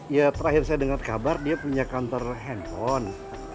ya terakhir saya dengar kabar dia punya kantor handphone